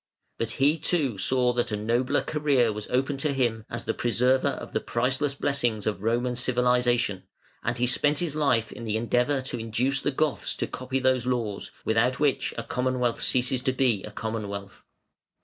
But he, too, saw that a nobler career was open to him as the preserver of the priceless blessings of Roman civilisation, and he spent his life in the endeavour to induce the Goths to copy those laws, without which a Commonwealth ceases to be a Commonwealth.